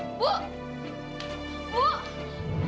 ibu bangun ibu